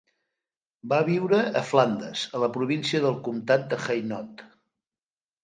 Va viure a Flandes a la província del Comtat d'Hainaut.